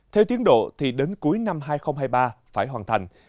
theo tiến độ thì đến cuối năm hai nghìn hai mươi ba phải hoàn thành